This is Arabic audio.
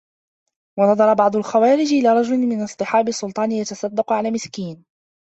وَنَظَرَ بَعْضُ الْخَوَارِجِ إلَى رَجُلٍ مِنْ أَصْحَابِ السُّلْطَانِ يَتَصَدَّقُ عَلَى مِسْكِينٍ